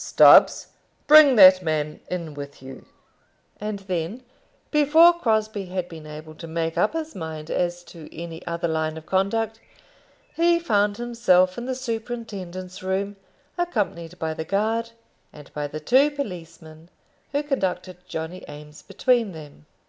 "Stubbs, bring that man in with you." And then, before Crosbie had been able to make up his mind as to any other line of conduct, he found himself in the superintendent's room, accompanied by the guard, and by the two policemen who conducted Johnny Eames between them.